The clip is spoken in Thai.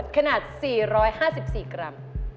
ขนาด๔๕๔กรัม